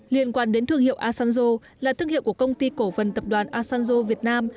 liên quan đến thương hiệu asanzo là thương hiệu của công ty cổ phần tập đoàn asanzo việt nam